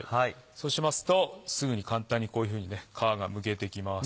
そうしますとすぐに簡単にこういうふうに皮がむけていきます。